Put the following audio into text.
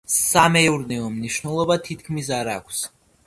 სამეურნეო მნიშვნელობა თითქმის არ აქვს.